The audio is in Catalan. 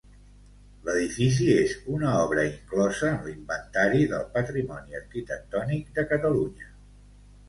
L'edifici és una obra inclosa en l'Inventari del Patrimoni Arquitectònic de Catalunya.